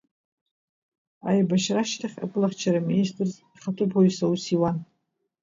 Аибашь-ра ашьҭахь Атәылахьчара аминистр ихаҭыԥуаҩс аус иуан.